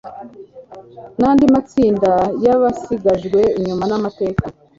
n andi matsinda y abasigajwe inyuman amateka